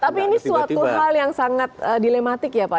tapi ini suatu hal yang sangat dilematik ya pak